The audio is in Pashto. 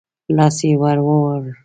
لاس يې ور ووړ.